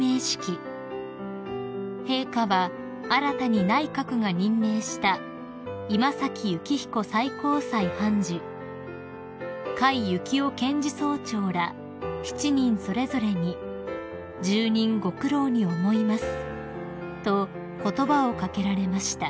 ［陛下は新たに内閣が任命した今崎幸彦最高裁判事甲斐行夫検事総長ら７人それぞれに「重任ご苦労に思います」と言葉を掛けられました］